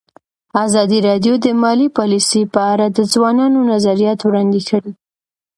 ازادي راډیو د مالي پالیسي په اړه د ځوانانو نظریات وړاندې کړي.